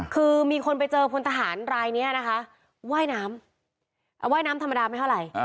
คือมีคนไปเจอพลทหารรายนี้นะคะว่ายน้ำว่ายน้ำธรรมดาไม่เท่าไหร่